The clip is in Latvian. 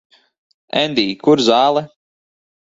Endij, kur zāle?